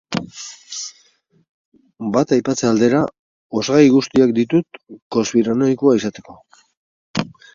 Bat aipatze aldera, osagai guztiak ditut konspiranoikoa izateko.